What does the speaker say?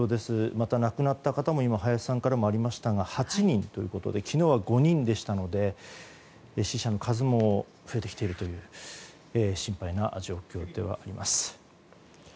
また亡くなった方も８人ということで昨日は５人でしたので死者の数も増えてきているという心配な状況ではあります。